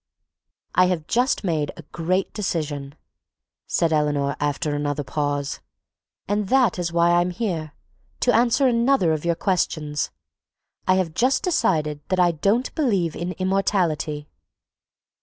"I have just made a great decision," said Eleanor after another pause, "and that is why I'm here, to answer another of your questions. I have just decided that I don't believe in immortality."